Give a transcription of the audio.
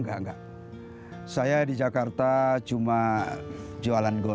hanya ditemukan dilvg video kabaout dome